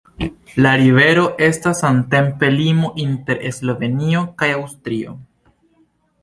La rivero estas samtempe limo inter Slovenio kaj Aŭstrio.